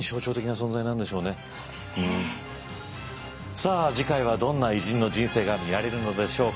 さあ次回はどんな偉人の人生が見られるのでしょうか。